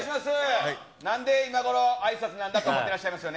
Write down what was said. なんで今ごろ、あいさつなんだと思ってらっしゃいますよね？